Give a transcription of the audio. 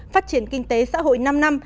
phát triển kinh tế xã hội năm năm